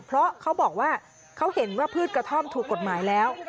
เพราะเขาบอกว่าเขาเห็นว่าพืชกระท่อมถูกกฎหมายแล้ว